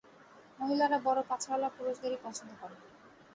মহিলারা বড় পাছাওয়ালা পুরুষদেরই পছন্দ করে!